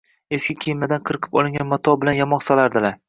eski kiyimlardan qirqib olingan mato bilan yamoq solardilar.